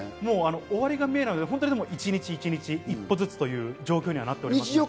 終わりが見えなくて、でも一日一日、一歩ずつという状況にはなってます。